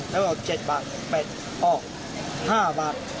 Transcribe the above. แล้วก็๗บาท๘ออก๕บาท